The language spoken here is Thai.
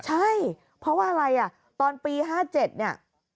ใช่เพราะว่าอะไรอ่ะตอนปี๕๗เนี่ย